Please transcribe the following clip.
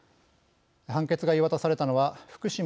判決が言い渡されたのは福島